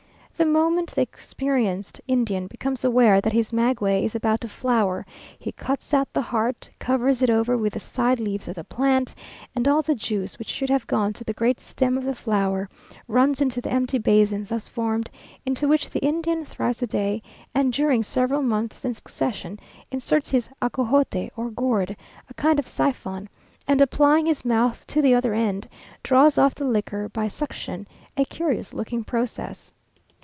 The moment the experienced Indian becomes aware that his maguey is about to flower, he cuts out the heart, covers it over with the side leaves of the plant, and all the juice which should have gone to the great stem of the flower, runs into the empty basin thus formed, into which the Indian, thrice a day, and during several months in succession, inserts his acojote or gourd, a kind of siphon, and applying his mouth to the other end, draws off the liquor by suction; a curious looking process.